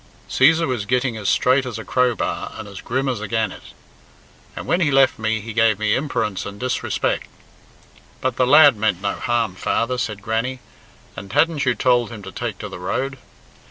Cæsar was gitting as straight as a crowbar and as grim as a gannet. "And when he left me, he gave me imperence and disrespeck." "But the lad meant no harm, father," said Grannie; "and hadn't you told him to take to the road?"